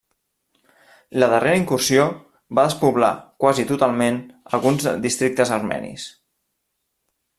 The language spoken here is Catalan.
La darrera incursió va despoblar quasi totalment alguns districtes armenis.